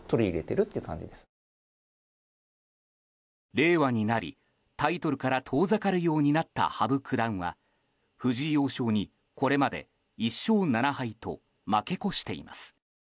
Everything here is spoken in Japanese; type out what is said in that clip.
令和になり、タイトルから遠ざかるようになった羽生九段は藤井王将に、これまで１勝７敗と負け越しています。